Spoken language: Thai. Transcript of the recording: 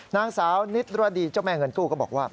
นางสาวนิดรดีเจ้าแม่เงินกู้ก็บอกว่า